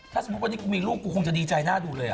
ถ้าสมมติว่าวันนี้มีลูกกูคงจะดีใจหน้าดูเลยอ่ะ